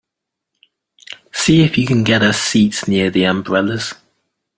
See if you can get us seats near the umbrellas.